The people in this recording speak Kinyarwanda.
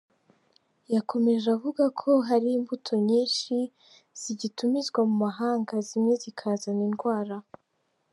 Yakomeje avuga ko hari imbuto nyinshi zigitumizwa mu mahanga, zimwe zikazana indwara.